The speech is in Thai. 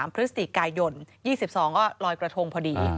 พฤศจิกายน๒๒ก็ลอยกระทงพอดี